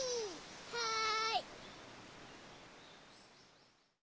はい！